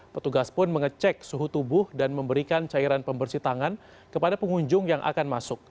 petugas pun mengecek suhu tubuh dan memberikan cairan pembersih tangan kepada pengunjung yang akan masuk